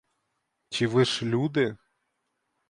Чи ви ж люди?